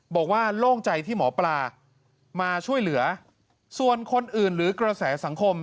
โล่งใจที่หมอปลามาช่วยเหลือส่วนคนอื่นหรือกระแสสังคม